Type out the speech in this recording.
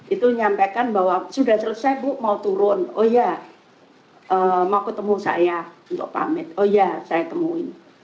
itu nyampaikan bahwa sudah selesai bu mau turun oh ya mau ketemu saya untuk pamit oh iya saya temuin